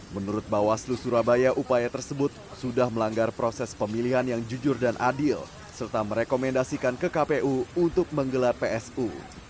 menurut bawaslu surabaya upaya tersebut sudah melanggar proses pemilihan yang jujur dan adil serta merekomendasikan ke kpu untuk menggelar psu